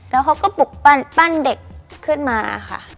แล้วเขาก็ปลุกปั้นเด็กขึ้นมาค่ะ